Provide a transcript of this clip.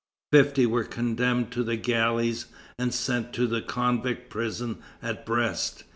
Fifty were condemned to the galleys and sent to the convict prison at Brest.